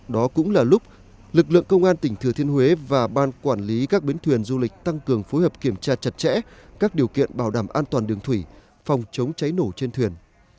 đó cũng là lúc lực lượng công an tỉnh thừa thiên huế và ban quản lý các bến thuyền du lịch tăng cường phối hợp kiểm tra chặt chẽ các điều kiện bảo đảm an toàn đường thủy phòng chống cháy nổ trên thuyền